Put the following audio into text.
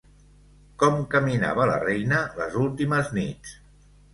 Com caminava la reina les últimes nits?